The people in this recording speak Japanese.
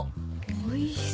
おいしそう